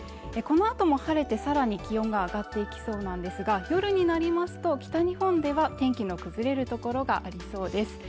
このあとも晴れてさらに気温が上がっていきそうなんですが夜になりますと北日本では天気の崩れる所がありそうです